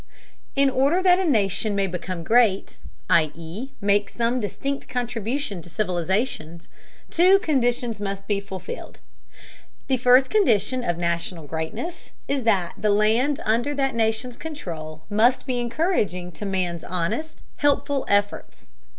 In order that a nation may become great, i.e. make some distinct contribution to civilization, two conditions must be fulfilled. The first condition of national greatness is that the land under that nation's control must be encouraging to man's honest, helpful efforts.